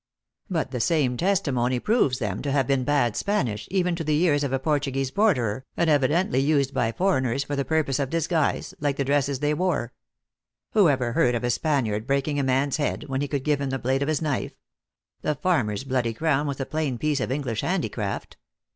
" But the same testimony proves them to have been bad Spanish, even to the ears of a Portuguese bord erer, and evidently used by foreigners for the purpose of disguise, like the dresses they wore. Who ever THE ACTEESS IN HIGH LIFE. 263 heard of a Spaniard breaking a man s head, when he could give him the blade of his knife ? The farmer s bloody crown was a plain piece of English handicraft.